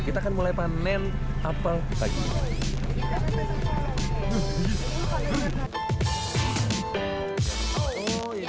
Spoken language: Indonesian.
kita akan mulai panen apel pagi ini